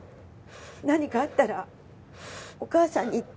何かあったらお母さんに言って